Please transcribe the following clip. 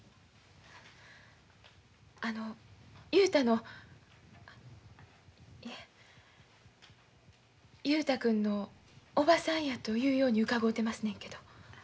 あの雄太のいえ雄太君のおばさんやというように伺うてますねんけど。